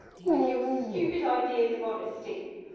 With your stupid ideas of honesty!